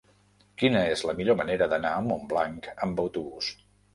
Quina és la millor manera d'anar a Montblanc amb autobús?